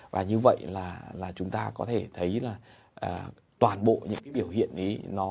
và như vậy là chúng ta có thể thấy là toàn bộ những biểu hiện ấy